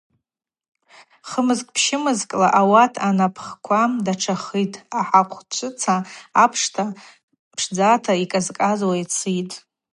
Хымызкӏ-пщымызкӏла ауат анапӏхква датшахитӏ, ахӏахъвчӏвыца апш пшдзата йкӏазкӏазуа йцитӏ.